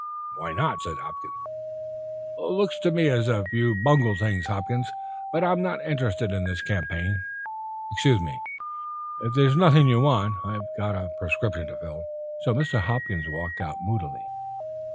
"Why not?" "Looks to me as if you'd bungled things, Hopkins. But I'm not interested in this campaign. Excuse me; if there's nothing you want, I've got a prescription to fill." Mr. Hopkins walked out moodily.